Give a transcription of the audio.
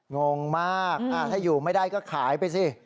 งงมากถ้าอยู่ไม่ได้ก็ขายไปสิ